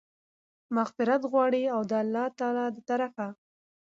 مغفرت غواړي، او د الله تعالی د طرفه